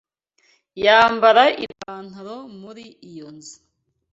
Yambara ipantaro muri iyo nzu.